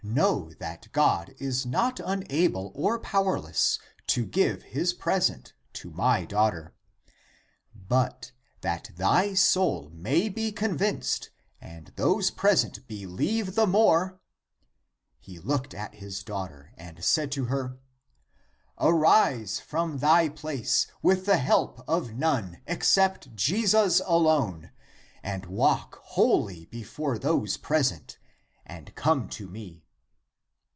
Know that God is not unable or powerless, to give his present to my daughter. But that thy soul may be convinced and those present believe the more" (p. 130) he looked at his daughter and said to her, " Arise from thy place with the help of none except Jesus alone, and walk wholly before those present and come to me."